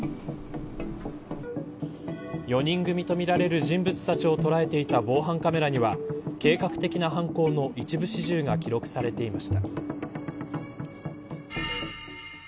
４人組とみられる人物たちを捉えていた防犯カメラには計画的な犯行の一部始終が記録されていました。